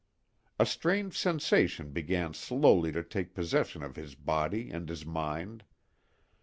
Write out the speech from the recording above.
A strange sensation began slowly to take possession of his body and his mind.